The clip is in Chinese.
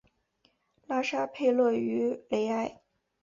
拉沙佩勒于雷埃。